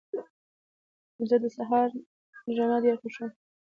زه د سهار رڼا ډېره خوښوم.